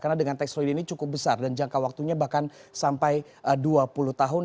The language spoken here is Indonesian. karena dengan tax holiday ini cukup besar dan jangka waktunya bahkan sampai dua puluh tahun